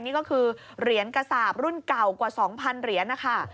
นี่ก็คือเหรียญกระสาปรุ่นเก่ากว่า๒๐๐เหรียญนะคะ